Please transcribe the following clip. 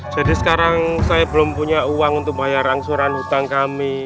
jadi sekarang saya belum punya uang untuk bayar angsuran hutang kami